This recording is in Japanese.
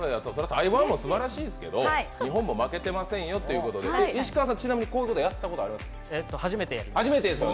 台湾もすばらしいけど日本も負けてませんよということで石川さん、こういうことはやったことあるんですか？